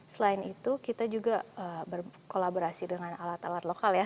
selain itu kita juga berkolaborasi dengan alat alat lokal ya